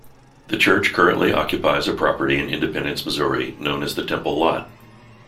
The church currently occupies a property in Independence, Missouri, known as the Temple Lot.